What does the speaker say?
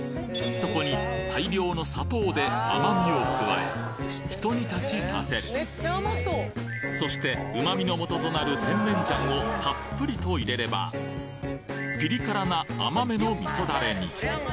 そこに大量の砂糖で甘みを加えひと煮立ちさせそして旨味のもととなる甜麺醤をたっぷりと入れればピリ辛な甘めの味噌ダレに。